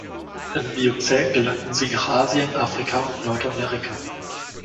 Im Miozän gelangten sie nach Asien, Afrika und Nordamerika.